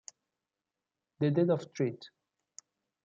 The Death of St.